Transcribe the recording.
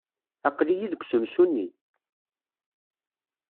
Aql-iyi deg usensu-nni.